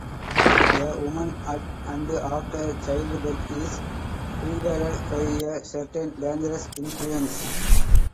A woman at and after childbirth is pervaded by a certain dangerous influence.